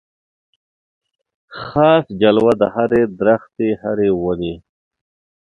خاص جلوه د هري درختي هري وني